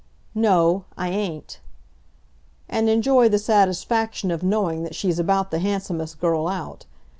"No; I ain't." "And enjoy the satisfaction of knowing that she's about the handsomest girl out.